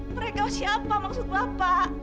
mereka siapa maksud bapak